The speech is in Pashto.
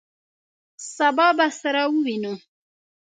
سبا به سره ووینو!